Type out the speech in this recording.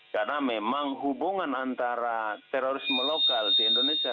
karena memang hubungan antara terorisme lokal di indonesia